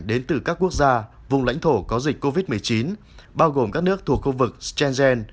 đến từ các quốc gia vùng lãnh thổ có dịch covid một mươi chín bao gồm các nước thuộc khu vực schengen